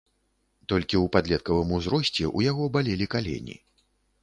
Толькі ў падлеткавым узросце ў яго балелі калені.